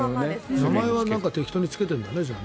名前は適当につけてるんだね。